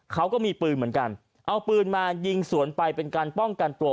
เขาก็มีปืนเหมือนกันเอาปืนมายิงสวนไปเป็นการป้องกันตัว